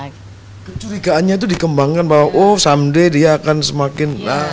kecurigaannya itu dikembangkan bahwa oh someday dia akan semakin